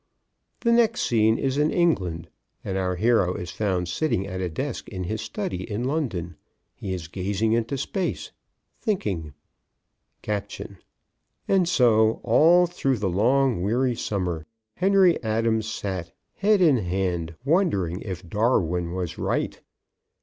The next scene is in England and our hero is found sitting at a desk in his study in London. He is gazing into space thinking. Caption: "AND SO, ALL THROUGH THE LONG, WEARY SUMMER, HENRY ADAMS SAT, HEAD IN HAND, WONDERING IF DARWIN WAS RIGHT.